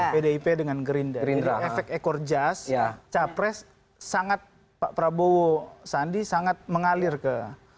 pdip dengan gerindra efek ekor jas capres sangat pak prabowo sandi sangat mengalir ke